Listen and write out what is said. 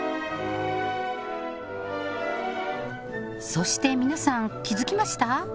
そして皆さん気づきました？